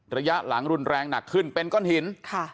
ระยะหลังรุนแรงหนักขึ้นเป็นก้อนหิน